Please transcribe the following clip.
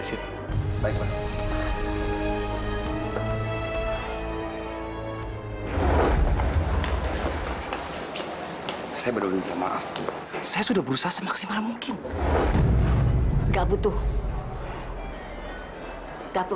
sampai jumpa di video selanjutnya